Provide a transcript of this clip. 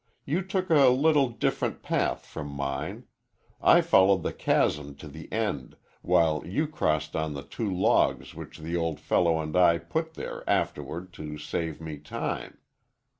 You took a little different path from mine. I followed the chasm to the end, while you crossed on the two logs which the old fellow and I put there afterward to save me time.